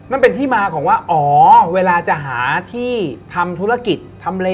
มันเป็นที่มาของว่าอ๋อเวลาจะหาที่ทำธุรกิจทำเล